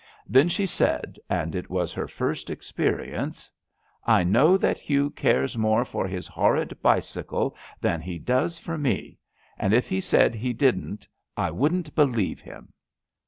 Then she said, and it was her first experience: '*I know that Hugh cares more for his horrid bicycle than he does for me, and if he said he didn't I wouldn't believe him."